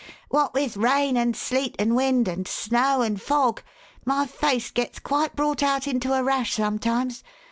" What with rain, and sleet, and wind, and snow, and fog, my face gets quite brought out into a rash sometimes.